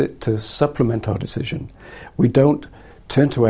kita menggunakannya untuk menambah keputusan kita